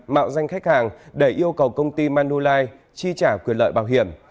mạo danh khách hàng để yêu cầu công ty manulife chi trả quyền lợi bảo hiểm